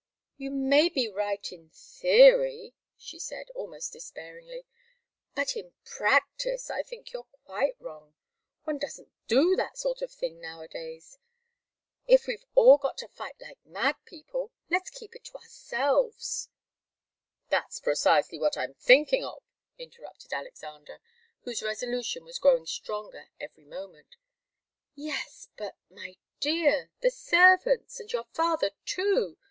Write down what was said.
"You may be right in theory," she said, almost despairingly, "but in practice I think you're quite wrong. One doesn't do that sort of thing nowadays. If we've all got to fight like mad people, let's keep it to ourselves " "That's precisely what I'm thinking of," interrupted Alexander, whose resolution was growing stronger every moment. "Yes but, my dear! The servants and your father, too!